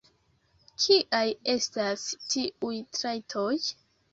Kiaj estas tiuj trajtoj?